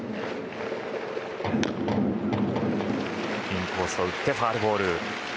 インコースを打ってファウルボール。